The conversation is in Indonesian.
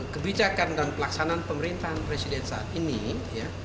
kebijakan dan pelaksanaan pemerintahan presiden sekarang